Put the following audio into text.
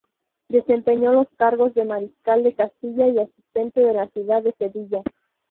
Desempeñó los cargos de mariscal de Castilla y asistente de la ciudad de Sevilla.